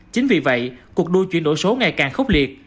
chính vì vậy cuộc đua chuyển đổi số ngày càng khốc liệt